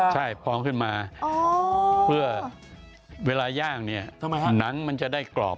ใช่พร้อมขึ้นมาเพื่อเวลาย่างเนี่ยหนังมันจะได้กรอบ